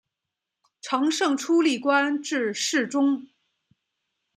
承圣初历官至侍中。